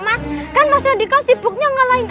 mas kan mas randy kan sibuknya ngalahin